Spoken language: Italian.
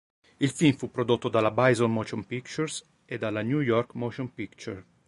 Il film fu prodotto dalla Bison Motion Pictures e dalla New York Motion Picture.